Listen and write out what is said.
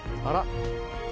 あら。